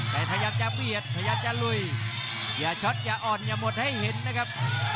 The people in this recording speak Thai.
แต่พยายามจะเบียดพยายามจะลุยอย่าช็อตอย่าอ่อนอย่าหมดให้เห็นนะครับ